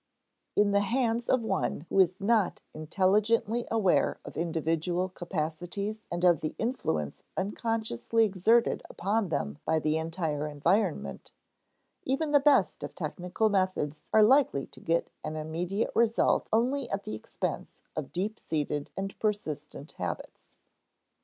In the hands of one who is not intelligently aware of individual capacities and of the influence unconsciously exerted upon them by the entire environment, even the best of technical methods are likely to get an immediate result only at the expense of deep seated and persistent habits.